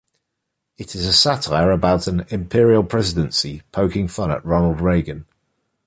It is a satire about an "Imperial Presidency", poking fun at Ronald Reagan.